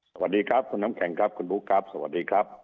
สวัสดีครับคุณน้ำแข็งครับคุณบุ๊คครับสวัสดีครับ